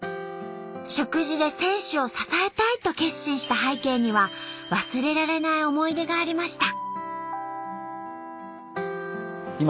食事で選手を支えたいと決心した背景には忘れられない思い出がありました。